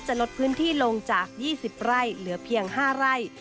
ลดพื้นที่ลงจาก๒๐ไร่เหลือเพียง๕ไร่